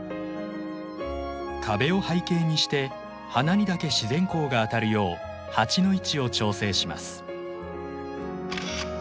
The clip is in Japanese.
壁を背景にして花にだけ自然光が当たるよう鉢の位置を調整します。